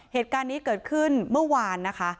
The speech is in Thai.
เหตุการณ์นี้เกิดขึ้นเมื่อวานนะคะ